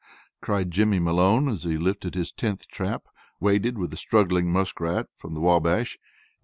cried Jimmy Malone, as he lifted his tenth trap, weighted with a struggling muskrat, from the Wabash.